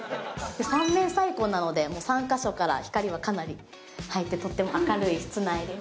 ３面採光なので光が３か所から入ってとても明るい室内です。